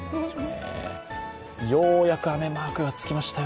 ようやく雨マークがつきましたよ。